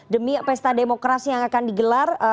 demi pesta demokrasi yang akan digelar